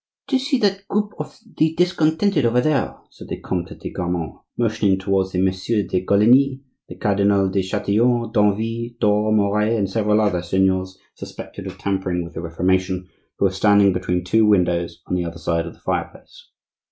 "Do see that group of the discontented over there?" said the Comte de Grammont, motioning toward the Messieurs de Coligny, the Cardinal de Chatillon, Danville, Thore, Moret, and several other seigneurs suspected of tampering with the Reformation, who were standing between two windows on the other side of the fireplace.